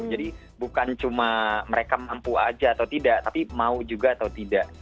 jadi bukan cuma mereka mampu aja atau tidak tapi mau juga atau tidak